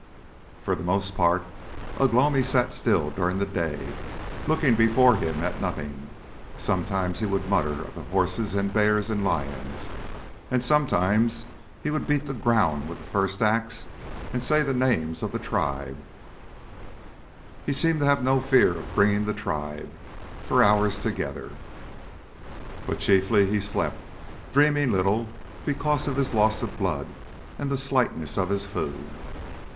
For the most part Ugh lomi sat still during the day, looking before him at nothing, sometimes he would mutter of the horses and bears and lions, and sometimes he would beat the ground with the first axe and say the names of the tribe he seemed to have no fear of bringing the tribe for hours together. But chiefly he slept, dreaming little because of his loss of blood and the slightness of his food.